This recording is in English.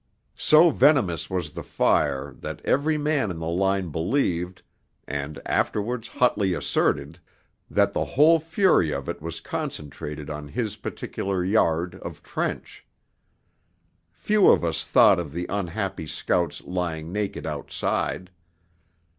So venomous was the fire that every man in the line believed and afterwards hotly asserted that the whole fury of it was concentrated on his particular yard of trench. Few of us thought of the unhappy scouts lying naked outside.